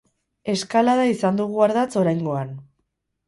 Eskalada izan dugu ardatz oraingoan.